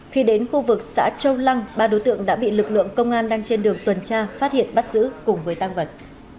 khi đến khu vực xã châu lăng ba đối tượng đã bị lực lượng công an đang trên đường tuần tra phát hiện bắt giữ cùng với tăng vật